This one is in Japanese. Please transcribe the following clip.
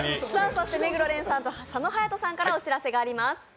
そして目黒蓮さんと佐野勇斗さんからお知らせがあります。